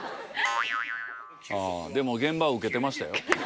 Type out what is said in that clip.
でも現場はウケてましたよ。